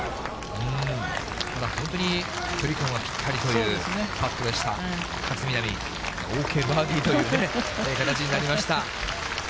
ただ本当に、距離間はぴったりというパットでした、勝みなみ、ＯＫバーディーという形になりました。